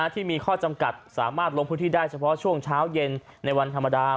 ที่มีข้อจำกัดสามารถลงพื้นที่ได้เฉพาะช่วงเช้าเย็นในวันธรรมดา